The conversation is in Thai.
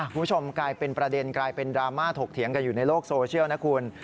คุณผู้ชมกลายเป็นประเด็นกลายเป็นดราม่าถกเถียงกันอยู่ในโลกโซเชียลนะคุณ